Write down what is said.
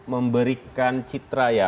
memberikan citra ya